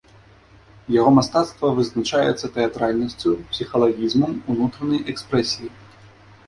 Яго мастацтва вызначаецца тэатральнасцю, псіхалагізмам, унутранай экспрэсіяй.